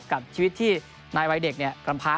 กับชีวิตที่ในวัยเด็กกำพ้า